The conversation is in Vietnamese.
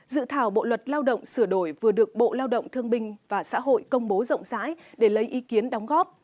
dự thảo bộ luật lao động sửa đổi vừa được bộ lao động thương binh và xã hội công bố rộng rãi để lấy ý kiến đóng góp